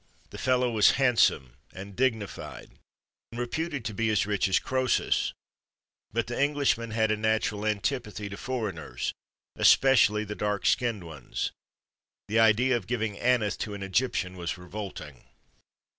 The fellow was handsome and dignified and reputed to be as rich as Crœsus; but the Englishman had a natural antipathy to foreigners, especially the dark skinned ones. The idea of giving Aneth to an Egyptian was revolting.